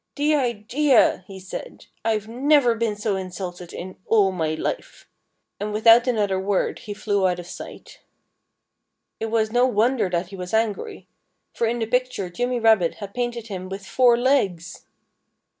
"The idea!" he said. "I've never been so insulted in all my life!" And without another word he flew out of sight. It was no wonder that he was angry. For in the picture Jimmy Rabbit had painted him with four legs!